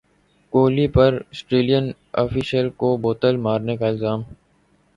کوہلی پر Australian official کو بوتل مارنے کا الزام